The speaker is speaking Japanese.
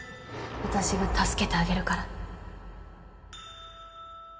私が助けてあげるから